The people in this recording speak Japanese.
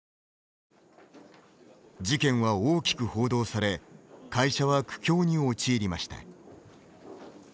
事件は大きく報道され会社は苦境に陥りました。